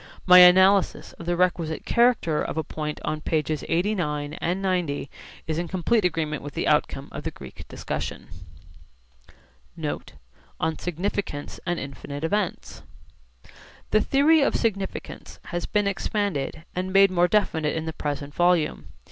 My analysis of the requisite character of a point on pp. 89 and 90 is in complete agreement with the outcome of the Greek discussion. Camb. Univ. Press, 1920. NOTE: ON SIGNIFICANCE AND INFINITE EVENTS The theory of significance has been expanded and made more definite in the present volume.